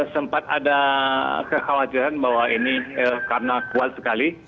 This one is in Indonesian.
sempat ada kekhawatiran bahwa ini karena kuat sekali